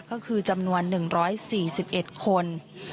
ก็คือจำนวน๑๔๑คน